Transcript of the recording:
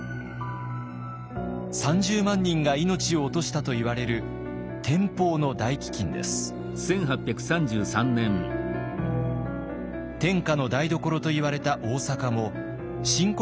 ３０万人が命を落としたといわれる天下の台所といわれた大坂も深刻な米不足に陥りました。